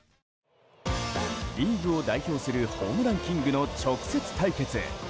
リーグを代表するホームランキングの直接対決。